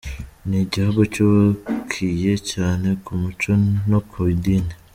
Ni igihugu cyubakiye cyane ku muco no ku idini.